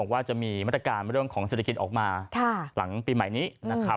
ว่าจะมีมาตรการเรื่องของเศรษฐกิจออกมาหลังปีใหม่นี้